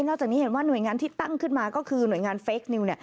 จากนี้เห็นว่าหน่วยงานที่ตั้งขึ้นมาก็คือหน่วยงานเฟคนิว